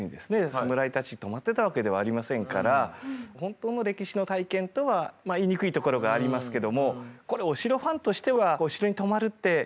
侍たち泊まってたわけではありませんからほんとの歴史の体験とは言いにくいところがありますけどもこれお城ファンとしてはお城に泊まるってちょっと。